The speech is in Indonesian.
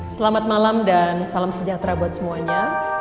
selamat malam dan salam sejahtera buat semuanya